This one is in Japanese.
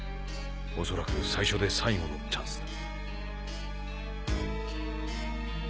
恐らく最初で最後のチャンスだ。